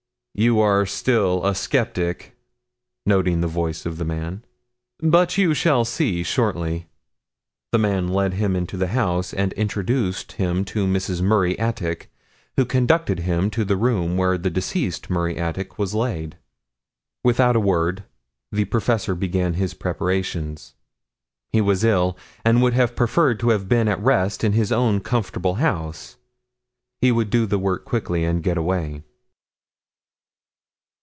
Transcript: "You are still a skeptic," noting the voice of the man. "But you shall see shortly." The man led him into the house and introduced him to Mrs. Murray Attic, who conducted him to the room where the deceased Murray Attic was laid. Without a word the professor began his preparations. He was ill, and would have preferred to have been at rest in his own comfortable house. He would do the work quickly and get away.